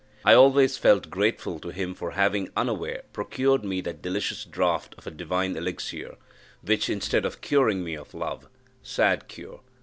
I always felt grateful to him for having, unaware, procured me that delicious draught of a divine elixir, which, instead of curing me of love (sad cure!